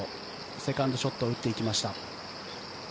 セカンドショットを打っていきました。